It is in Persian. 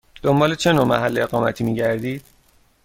دنبال چه نوع محل اقامتی می گردید؟